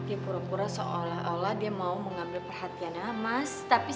yaudah deh gapapa papi